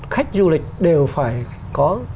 khách du lịch đều phải có